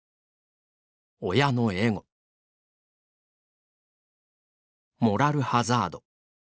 「親のエゴ」「モラルハザード」